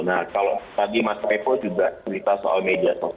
nah kalau tadi mas eko juga cerita soal media